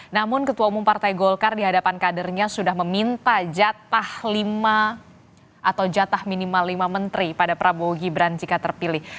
namun ketua umum partai golkar di hadapan kadernya sudah meminta jatah lima atau jatah minimal lima menteri pada prabowo gibran jika terpilih